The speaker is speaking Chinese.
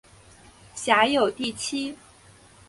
辖有第七。